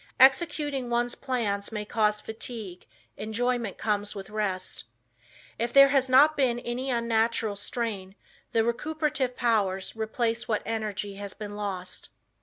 Executing one's plans may cause fatigue, enjoyment comes with rest. If there has not been any unnatural strain, the recuperative powers replace what energy has been lost.